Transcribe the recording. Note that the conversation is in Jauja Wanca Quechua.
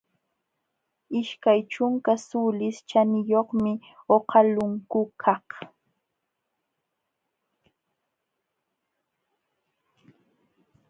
Ishkay ćhunka suulis ćhaniyuqmi uqa lunkukaq.